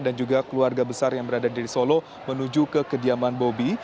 dan juga keluarga besar yang berada di solo menuju ke kediaman bobi